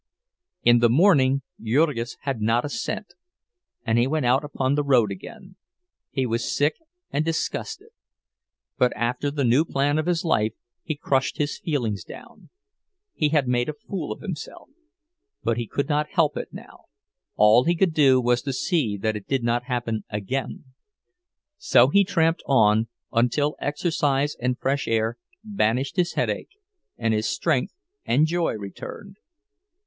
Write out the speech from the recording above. In the morning Jurgis had not a cent, and he went out upon the road again. He was sick and disgusted, but after the new plan of his life, he crushed his feelings down. He had made a fool of himself, but he could not help it now—all he could do was to see that it did not happen again. So he tramped on until exercise and fresh air banished his headache, and his strength and joy returned.